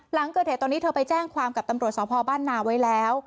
หลังเกิดเหตุตอนนี้เธอไปแจ้งความกับตำรวจสพบ้านนาไว้แล้ว